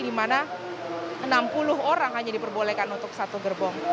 dimana enam puluh orang hanya diperbolehkan untuk satu gerbong